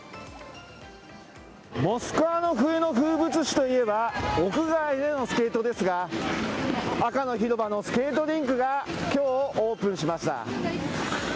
モスクワの冬の風物詩といえば、屋外でのスケートですが、赤の広場のスケートリンクが、きょうオープンしました。